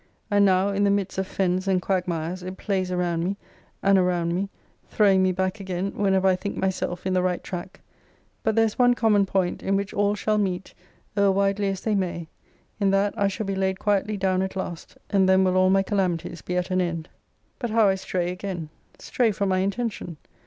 And now, in the midst of fens and quagmires, it plays around me, and around me, throwing me back again, whenever I think myself in the right track. But there is one common point, in which all shall meet, err widely as they may. In that I shall be laid quietly down at last: and then will all my calamities be at an end. But how I stray again; stray from my intention!